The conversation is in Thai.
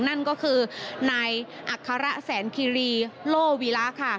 นั่นก็คือนายอัคระแสนคิรีโล่วีระค่ะ